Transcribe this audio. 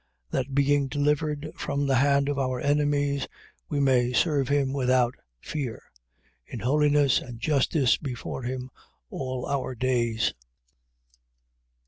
1:74. That being delivered from the hand of our enemies, we may serve him without fear: 1:75. In holiness and justice before him, all our days.